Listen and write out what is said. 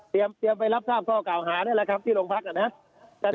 เตรียมไปรับทราบข้อเก่าหานั่นแหละครับที่โรงพักษณ์นะครับ